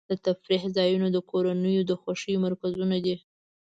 د تفریح ځایونه د کورنیو د خوښۍ مرکزونه دي.